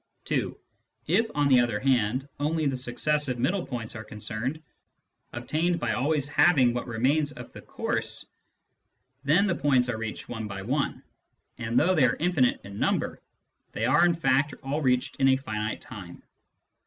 (2) If, on the other hand, only the successive middle points are concerned, obtained by always halving what remains of the course, then the points are reached one by one, and, though they are infinite in number, they are in fact all reached in a finite time.